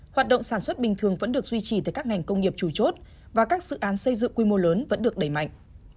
hoạt động sản xuất bình thường vẫn được duy trì từ các ngành công nghiệp chủ chốt và các dự án xây dựng quy mô lớn vẫn được đẩy mạnh